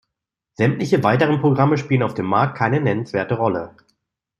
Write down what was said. Sämtliche weiteren Programme spielen auf dem Markt keine nennenswerte Rolle.